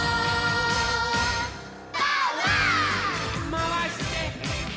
まわして！